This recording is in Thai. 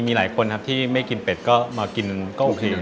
มีคนที่ไม่กินเป็ดก็มากินก็โอเค